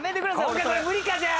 今回これ無理かじゃあ。